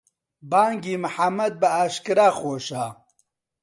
بانگی موحەمەد بە ئاشکرا خۆشە